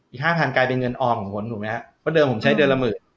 อีก๕๐๐๐ใกล้เป็นเงินออมของผมรู้ไหมครับเวลาผมใช้เดือนระหมื่น